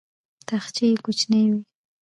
تاخچې یې کوچنۍ وې.